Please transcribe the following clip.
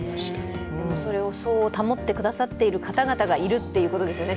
でもそれをそう保ってくださってる方がいるということですよね。